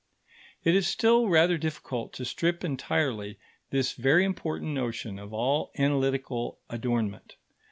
It is still rather difficult to strip entirely this very important notion of all analytical adornment.